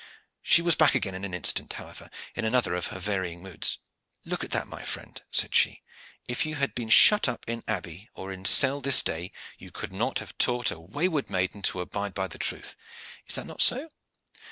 She was back again in an instant, however, in another of her varying moods. "Look at that, my friend!" said she. "If you had been shut up in abbey or in cell this day you could not have taught a wayward maiden to abide by the truth. Is it not so?